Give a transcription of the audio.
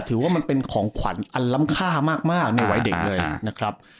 ถือว่ามันเป็นของขวัญอันล้ำค่ามากในวัยเด็กเลยนะครับ